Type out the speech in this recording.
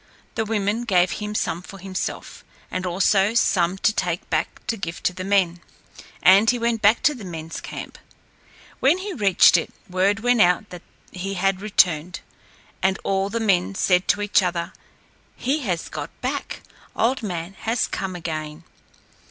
The women gave him some for himself, and also some to take back to give to the men, and he went back to the men's camp. When he reached it, word went out that he had returned, and all the men said to each other, "He has got back; Old Man has come again."